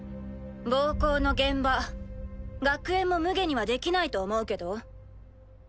暴行の現場学園もむげにはできないと思うけど。